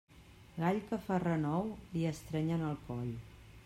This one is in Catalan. Gall que fa renou li estrenyen el coll.